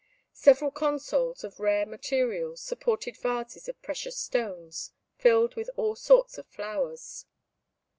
Several consoles, of rare materials, supported vases of precious stones, filled with all sorts of flowers.